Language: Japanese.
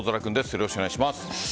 よろしくお願いします。